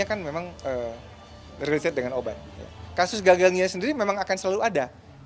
kasus gagal gagalnya sendiri memang akan selalu ada